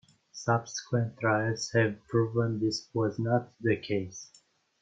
Subsequent trials have proven this was not the case.